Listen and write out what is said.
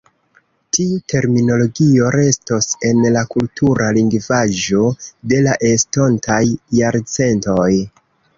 Tiu terminologio restos en la kultura lingvaĵo de la estontaj jarcentoj.